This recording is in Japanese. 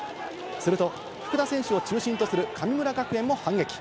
すると、福田選手を中心とする神村学園も反撃。